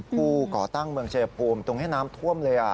ก่อตั้งเมืองชายภูมิตรงนี้น้ำท่วมเลย